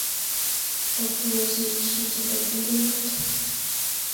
Obtuvo así su tercer campeonato.